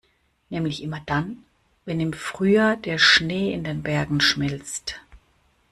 Nämlich immer dann, wenn im Frühjahr der Schnee in den Bergen schmilzt.